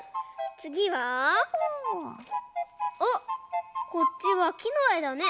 つぎはあっこっちはきのえだね。